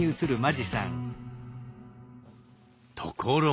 ところが。